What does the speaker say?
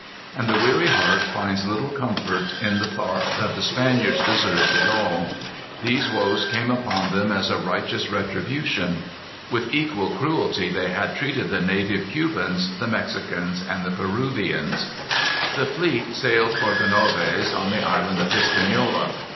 And the weary heart finds little comfort in the thought that the Spaniards deserved it all. These woes came upon them as a righteous retribution. With equal cruelty they had treated the native Cubans, the Mexicans, and the Peruvians. The fleet sailed for Gonaves on the Island of Hispaniola.